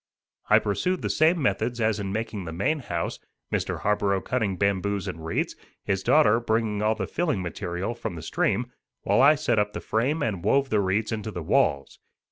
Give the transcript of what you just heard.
I pursued the same methods as in making the main house, Mr. Harborough cutting bamboos and reeds, his daughter bringing all the filling material from the stream, while I set up the frame and wove the reeds into the walls.